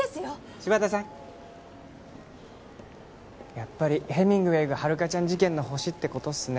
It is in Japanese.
やっぱりヘミングウェイが遥香ちゃん事件のホシって事っすね。